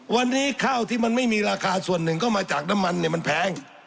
วันนี้ข้าวที่มันไม่มีราคาส่วนหนึ่งก็มาจากน้ำมันเนี่ยมันแพง